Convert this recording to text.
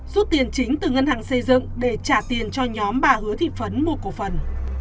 rút tiền chính từ ngân hàng xây dựng để trả tiền cho nhóm bà hứa thị phấn mua cổ phần